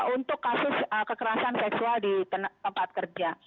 untuk kasus kekerasan seksual di tempat kerja